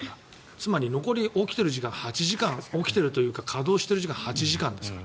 つまり残り起きてる時間８時間起きてるというか稼働している時間は８時間ですよ。